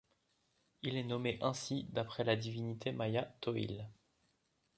Il est nommé ainsi d'après la divinité maya Tohil.